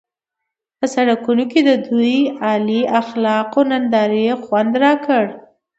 په سړکونو کې د دوی د اعلی اخلاقو نندارې خوند راکړ.